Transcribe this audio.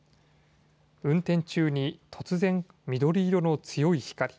運転中に突然、緑色の強い光。